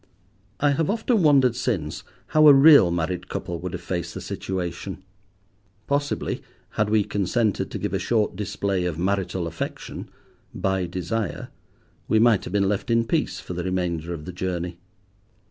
I have often wondered since how a real married couple would have faced the situation. Possibly, had we consented to give a short display of marital affection, "by desire," we might have been left in peace for the remainder of the journey.